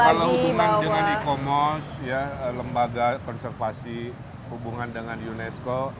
kalau hubungan dengan e commerce lembaga konservasi hubungan dengan unesco